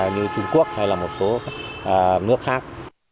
như trung quốc hay là một số nước khác